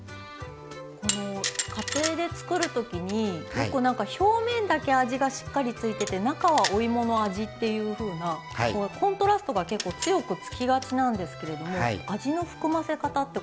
家庭で作る時によく表面だけ味がしっかりついてて中はお芋の味っていうふうなコントラストが結構強くつきがちなんですけれども味の含ませ方ってコツがあるんですか？